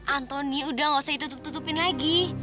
antony udah nggak usah ditutup tutupin lagi